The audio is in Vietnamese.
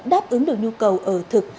đáp ứng được nhu cầu ở thực